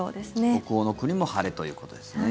北欧の国も晴れということですね。